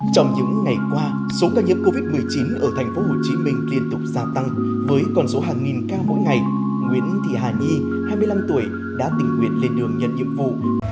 trong những ngày qua số ca nhiễm covid một mươi chín ở tp hcm liên tục gia tăng với con số hàng nghìn ca mỗi ngày nguyễn thị hà nhi hai mươi năm tuổi đã tình nguyện lên đường nhận nhiệm vụ